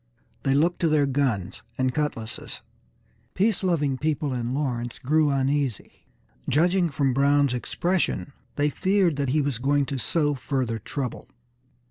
They looked to their guns and cutlasses. Peace loving people in Lawrence grew uneasy. Judging from Brown's expression, they feared that he was going to sow further trouble.